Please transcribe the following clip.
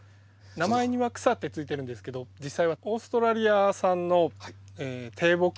名前には「草」ってついてるんですけど実際はオーストラリア産の低木になりますね。